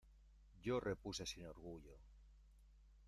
yo repuse sin orgullo: